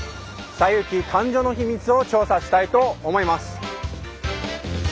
「西遊記」誕生の秘密を調査したいと思います。